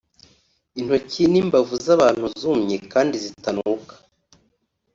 intoki n’imbavu z’abantu zumye kandi zitanuka